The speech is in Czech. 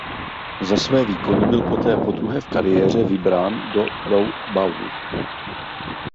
Za své výkony byl poté podruhé v kariéře vybrán do Pro Bowlu.